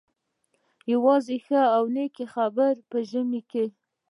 یوازې یوه ښه او نېکه خبره مو په ژمي کې.